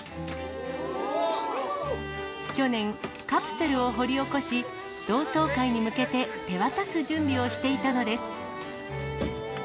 去年、カプセルを掘り起こし、同窓会に向けて手渡す準備をしていたのです。